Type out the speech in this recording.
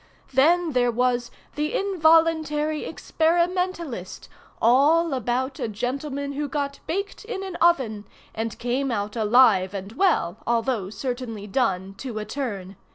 ] "Then there was 'The Involuntary Experimentalist,' all about a gentleman who got baked in an oven, and came out alive and well, although certainly done to a turn.